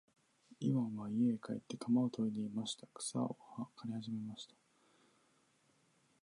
イワンは家へ帰って鎌をといでまた草を刈りはじめました。小悪魔は草の中へもぐり込んで、その鎌の先きを捉えて、